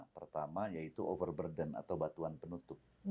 pertama yaitu overburden atau batuan penutup